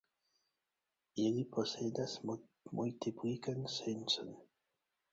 Ili posedas multiplikan sencon.